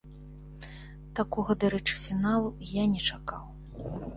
Такога дарэчы фіналу я не чакаў.